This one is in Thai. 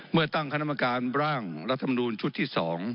เมื่อตั้งคณะกรรมการร่างรัฐมนูลชุดที่๒